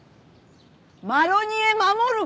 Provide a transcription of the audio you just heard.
マロニエ守る事だよな！？